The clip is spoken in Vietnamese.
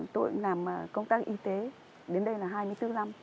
tôi làm công tác y tế đến đây là hai mươi bốn năm